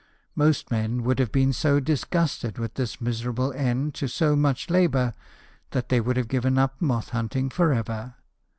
Most men would have been so disgusted with this miserable end to so much labour, that they would have given up moth hunting for ever.